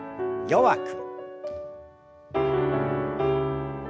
弱く。